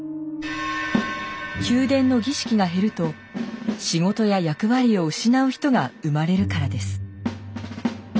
宮殿の儀式が減ると仕事や役割を失う人が生まれるからです。